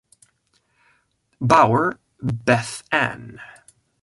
Bower, Beth Ann.